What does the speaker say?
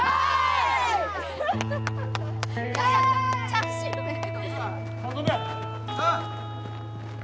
チャーシューメン？